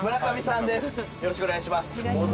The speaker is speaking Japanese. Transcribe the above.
よろしくお願いします。